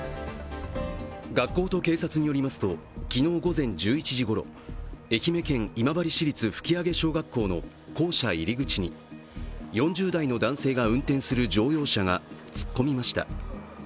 学校と警察によりますと昨日午前１１時ごろ愛媛県今治市立吹揚小学校の校舎入口に４０代の男性が運転する乗用車が突っ込みました。